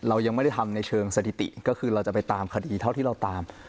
เรายังไม่ได้ทำในเชิงสถิติก็คือเราจะไปตามคดีเท่าที่เราตาม